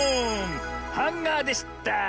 ハンガーでした！